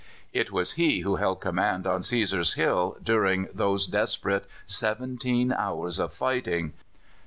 It was he who held command on Cæsar's Hill during those desperate seventeen hours of fighting.